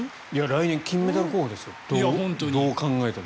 来年、金メダル候補ですよどう考えても。